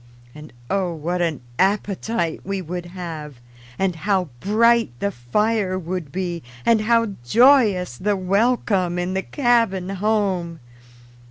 And oh, what an appetite we would have, and how bright the fire would be, and how joyous the welcome in the cabin home!